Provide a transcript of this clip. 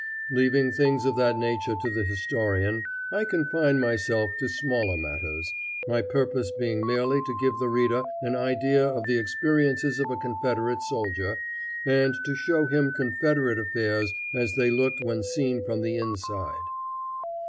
Leaving things of that nature to the historian, I confine myself to smaller matters, my purpose being merely to give the reader an idea of the experiences of a Confederate soldier, and to show him Confederate affairs as they looked when seen from the inside.